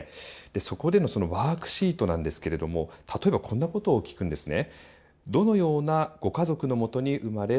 そこでのそのワークシートなんですけれども例えばこんなことを聞くんですね。